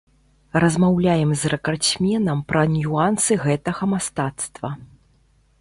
Размаўляем з рэкардсменам пра нюансы гэтага мастацтва.